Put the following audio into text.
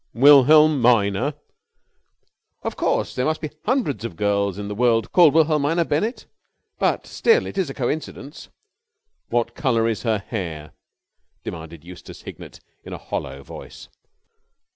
"Wilhelmina!" "Of course, there must be hundreds of girls in the world called Wilhelmina Bennett, but still it is a coincidence." "What colour is her hair?" demanded Eustace Hignett in a hollow voice.